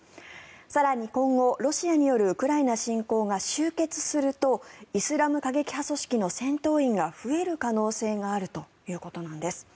更に、今後ロシアによるウクライナ侵攻が終結するとイスラム過激派組織の戦闘員が増える可能性があるということなんです。